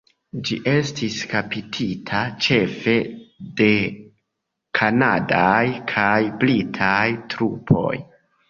Ĝi estis kaptita ĉefe de kanadaj kaj britaj trupoj.